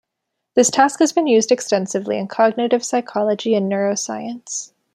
This task has been used extensively in cognitive psychology and neuroscience.